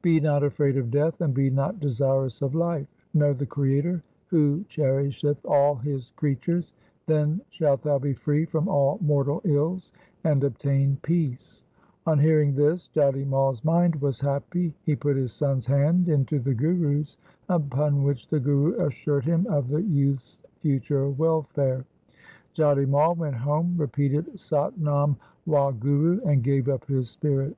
Be not afraid of death, and be not desirous of life. Know the Creator who cherisheth all His creatures ; then shalt thou be free from all mortal ills and obtain peace.' On hearing this Jati Mai's mind was happy. He put his son's hand into the Guru's, upon which the Guru assured him of the youth's future welfare. Jati Mai went home, repeated Sat Nam Wahguru, and gave up his spirit.